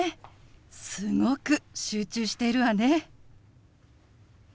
すごく集中しているわね。